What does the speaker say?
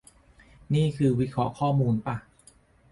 นี่คือวิเคราะห์ข้อมูลปะ